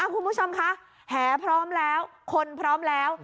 คุณผู้ชมคะแหพร้อมแล้วคนพร้อมแล้ว